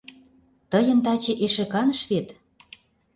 — Тыйын таче эше каныш вет?